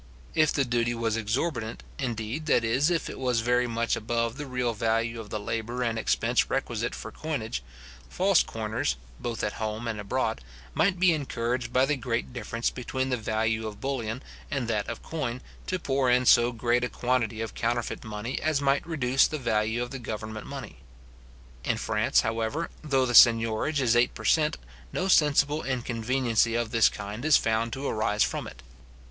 If the duty was exorbitant, indeed, that is, if it was very much above the real value of the labour and expense requisite for coinage, false coiners, both at home and abroad, might be encouraged, by the great difference between the value of bullion and that of coin, to pour in so great a quantity of counterfeit money as might reduce the value of the government money. In France, however, though the seignorage is eight per cent., no sensible inconveniency of this kind is found to arise from it.